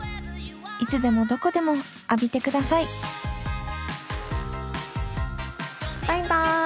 いつでもどこでも浴びてくださいバイバイ。